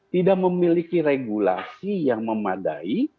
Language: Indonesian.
tidak memiliki regulasi yang memadai